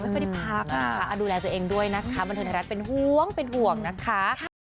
ไม่ค่อยได้พักอ่าดูแลตัวเองด้วยนะคะบรรเทศรัทธิ์เป็นห่วงเป็นห่วงนะคะ